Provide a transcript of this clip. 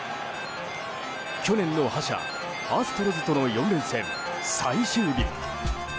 去年の覇者アストロズとの４連戦最終日。